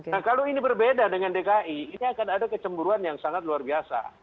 nah kalau ini berbeda dengan dki ini akan ada kecemburuan yang sangat luar biasa